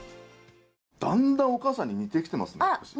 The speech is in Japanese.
だんだんお母さんに似てきてますね。